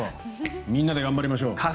みんなで頑張りましょう。